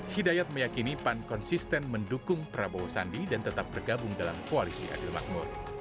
hidayat meyakini pan konsisten mendukung prabowo sandi dan tetap bergabung dalam koalisi adil makmur